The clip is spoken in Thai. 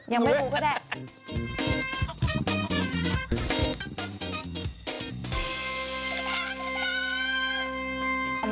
ยังไม่รู้ก็ได้